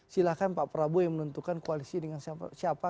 silahkan pak prabowo yang menentukan koalisi dengan siapa